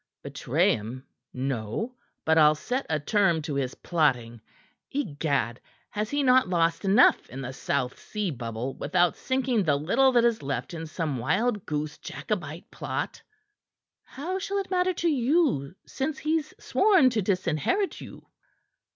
"Betray him? No! But I'll set a term to his plotting. Egad! Has he not lost enough in the South Sea Bubble, without sinking the little that is left in some wild goose Jacobite plot?" "How shall it matter to you, since he's sworn to disinherit you?"